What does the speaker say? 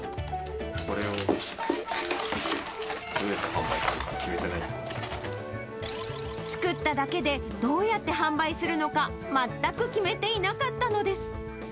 これをどうやって販売するか作っただけで、どうやって販売するのか、全く決めていなかったのです。